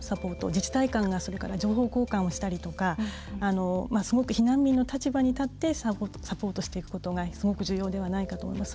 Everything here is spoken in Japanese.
自治体間が情報交換したりすごく避難民の立場に立ってサポートしていくことがすごく重要じゃないかと思います。